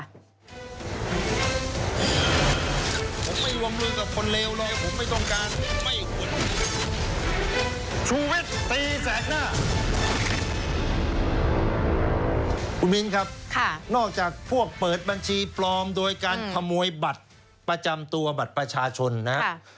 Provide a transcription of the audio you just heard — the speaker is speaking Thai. คุณมิ้นครับนอกจากพวกเปิดบัญชีปลอมโดยการขโมยบัตรประจำตัวบัตรประชาชนนะครับ